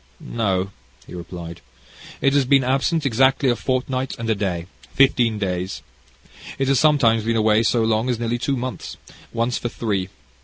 "No," he replied, "it has been absent exactly a fortnight and a day fifteen days. It has sometimes been away so long as nearly two months, once for three.